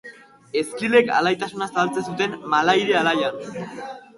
Ezkilek alaitasuna zabaltzen zuten Malahide alaian.